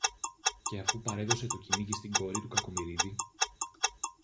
Και αφού παρέδωσε το κυνήγι στην κόρη του Κακομοιρίδη